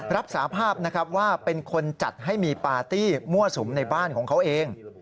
รับสาภาพนะครับว่าเป็นคนจัดให้มีปาร์ตี้มั่วสุมในบ้านของเขาเอง